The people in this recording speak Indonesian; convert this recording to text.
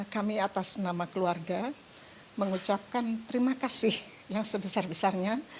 kami atas nama keluarga mengucapkan terima kasih yang sebesar besarnya